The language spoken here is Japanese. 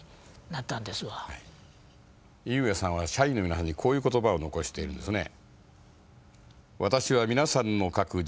井植さんは社員の皆さんにこういう言葉を残しているんですね。